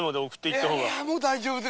いゃもう大丈夫。